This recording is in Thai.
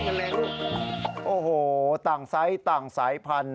นี่เป็นเรื่องราวความน่ารักของสัตว์ต่างสายพันธุ์